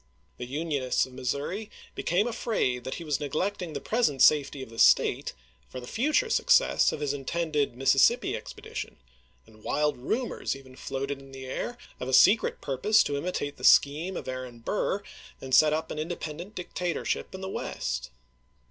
The Unionists of Missouri became afraid that he was neglecting the present safety of the State for the future success of his intended Mississippi expedi tion, and wild rumors even floated in the air of a dK secret purpose to imitate the scheme of Aaron Burr SlVs.' and set up an independent dictatorship in the West.